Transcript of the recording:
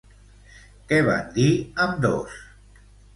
Què van dir ambdós?